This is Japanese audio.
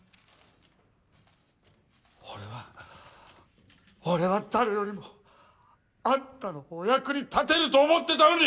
俺は俺は誰よりもあんたのお役に立てると思ってたのに！